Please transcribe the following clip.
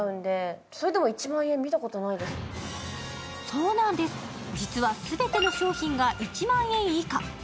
そうなんです、実は全ての商品が１万円以下。